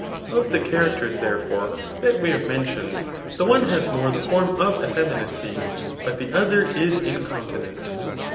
Of the characters, therefore, that we have mentioned, the one has more the form of effeminacy, but the other is incontinent.